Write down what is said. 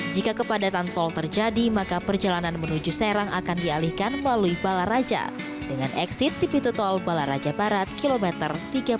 jika kepadatan tol terjadi maka perjalanan menuju serang akan dialihkan melalui balaraja dengan exit di pintu tol balaraja barat kilometer tiga puluh